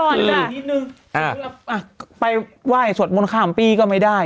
อยู่กับไปไหว้ศุษย์มนต์ข้ามปีก็ไม่ได้